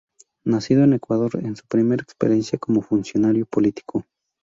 Nacido en Ecuador, es su primera experiencia como funcionario político.